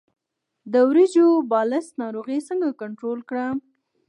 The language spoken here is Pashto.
د وریجو بلاست ناروغي څنګه کنټرول کړم؟